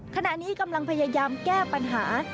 ขณะนี้กำลังพยายามแก้ปัญหา